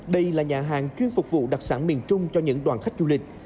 đây là nhà hàng chuyên phục vụ đặc sản miền trung cho những đoàn khách du lịch